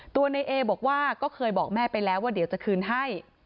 ตัวในเอบอกว่าก็เคยบอกแม่ไปแล้วว่าเดี๋ยวจะคืนให้